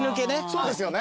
そうですよね。